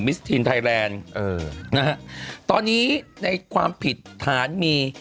ทีนไทยแลนด์เออนะฮะตอนนี้ในความผิดฐานมี